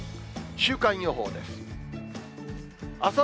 週間予報です。